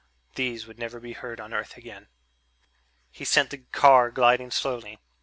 these would never be heard on Earth again. He sent the car gliding slowly ...